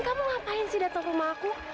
kamu ngapain sih datang rumah aku